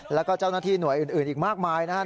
แล้วก็เจ้าหน้าที่หน่วยอื่นอีกมากมายนะครับ